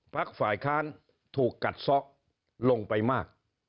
ฝ่ายค้านถูกกัดซ้อลงไปมาก